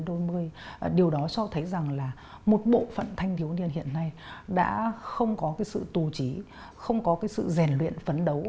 điều đó cho thấy rằng là một bộ phận thanh thiếu niên hiện nay đã không có cái sự tù trí không có cái sự rèn luyện phấn đấu